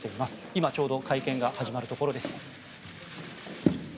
今、ちょうど会見が始まるところです。